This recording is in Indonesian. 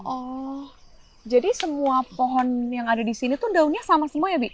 oh jadi semua pohon yang ada di sini tuh daunnya sama semua ya bi